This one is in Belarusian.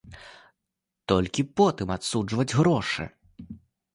Толькі потым адсуджваць грошы.